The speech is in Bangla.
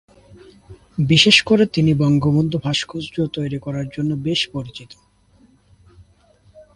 বিশেষ করে তিনি বঙ্গবন্ধুর ভাস্কর্য তৈরি করার জন্য বেশ পরিচিত।